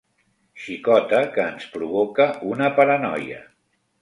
Xicota que ens provoca una paranoia.